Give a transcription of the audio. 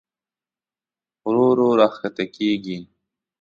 ورو ورو راښکته کېږي.